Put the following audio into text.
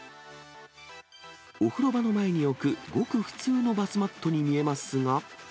お風呂場の前に置く、ごく普通のバスマットに見えますが。